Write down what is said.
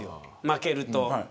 負けると。